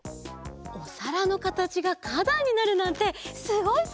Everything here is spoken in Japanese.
おさらのかたちがかだんになるなんてすごいそうぞうだね！